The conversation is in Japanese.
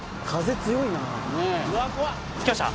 ねえ着きました？